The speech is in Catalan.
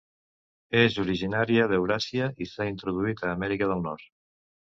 És originària d’Euràsia i s’ha introduït a Amèrica del Nord.